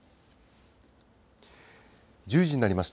１０時になりました。